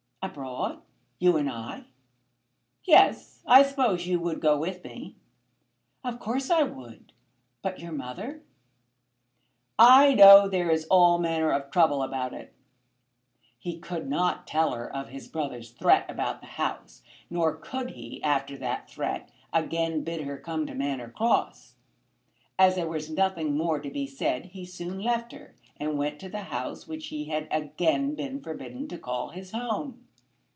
"Abroad! You and I?" "Yes. I suppose you would go with me?" "Of course I would. But your mother?" "I know there is all manner of trouble about it." He could not tell her of his brother's threat about the house, nor could he, after that threat, again bid her come to Manor Cross. As there was nothing more to be said he soon left her, and went to the house which he had again been forbidden to call his home.